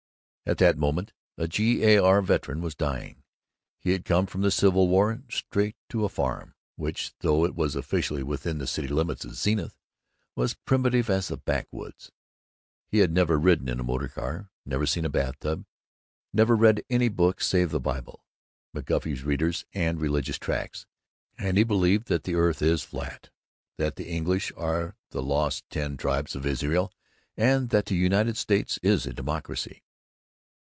At that moment a G. A. R. veteran was dying. He had come from the Civil War straight to a farm which, though it was officially within the city limits of Zenith, was primitive as the backwoods. He had never ridden in a motor car, never seen a bath tub, never read any book save the Bible, McGuffey's readers, and religious tracts; and he believed that the earth is flat, that the English are the Lost Ten Tribes of Israel, and that the United States is a democracy.